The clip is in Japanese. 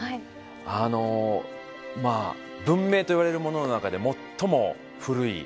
あのまあ文明といわれるものの中で最も古い。